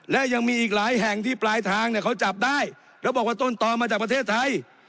และยังมีอีกหลายแห่งที่ปลายทางเนี่ยเขาจับได้แล้วบอกว่าต้นต่อมาจากประเทศไทย